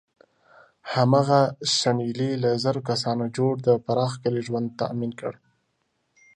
هماغه شنیلي له زرو کسانو جوړ د پراخ کلي ژوند تأمین کړ.